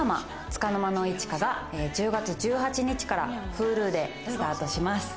『束の間の一花』が１０月１８日からＨｕｌｕでスタートします。